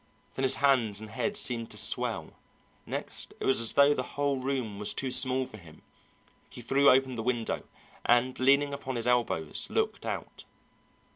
Then his hands and head seemed to swell; next, it was as though the whole room was too small for him. He threw open the window and, leaning upon his elbows, looked out.